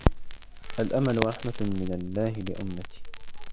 الْأَمَلُ رَحْمَةٌ مِنْ اللَّهِ لِأُمَّتِي